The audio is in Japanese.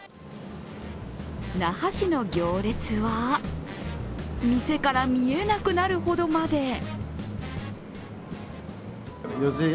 那覇市の行列は、店から見えなくなるほどまで。